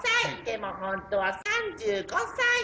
でも本当は３５歳。